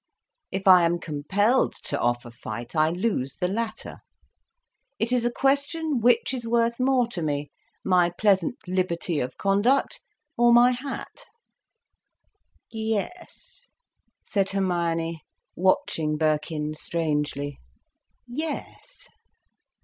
If I am compelled to offer fight, I lose the latter. It is a question which is worth more to me, my pleasant liberty of conduct, or my hat." "Yes," said Hermione, watching Birkin strangely. "Yes."